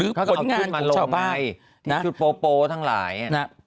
เขาก็เอาขึ้นมันลงไปที่ชุดโปทั้งหลายนะครับ